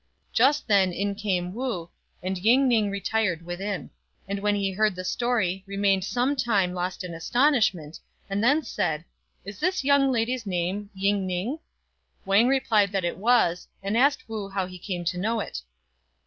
Just then in came Wu, and Ying ning retired within ; and when he heard the story, remained some time lost in astonishment, and then said, " Is this young lady's name Ying ning ?" Wang replied that it was, and asked Wu how he came to know it.